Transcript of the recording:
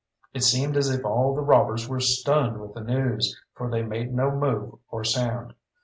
It seemed as if all the robbers were stunned with the news, for they made no move or sound.